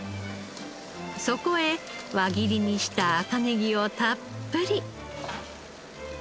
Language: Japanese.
そこへ輪切りにした赤ネギをたっぷり！